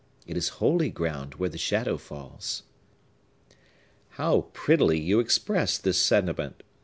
It is holy ground where the shadow falls!" "How prettily you express this sentiment!"